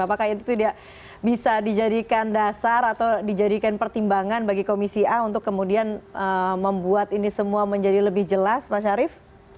apakah itu tidak bisa dijadikan dasar atau dijadikan pertimbangan bagi komisi a untuk kemudian membuat ini semua menjadi lebih jelas pak syarif